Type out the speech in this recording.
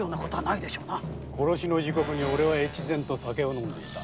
殺しの時刻におれは大岡と酒を飲んでいた。